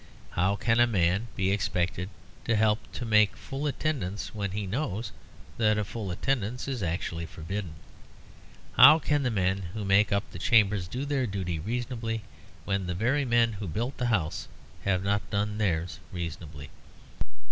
How can any man be expected to help to make a full attendance when he knows that a full attendance is actually forbidden? How can the men who make up the Chamber do their duty reasonably when the very men who built the House have not done theirs reasonably?